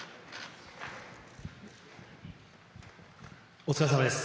お疲れさまです。